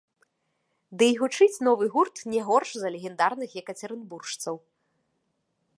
Дый гучыць новы гурт не горш за легендарных екацерынбуржцаў.